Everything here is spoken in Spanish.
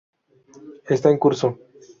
Está en curso.